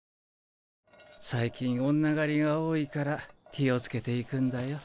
最近女狩りが多いから気を付けて行くんだよ。